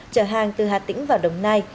chở hàng từ hà tĩnh vào đồng nai